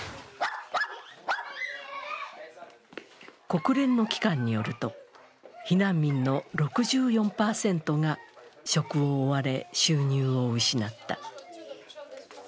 国連の機関によると、避難民の６４％が職を追われ、収入を失った。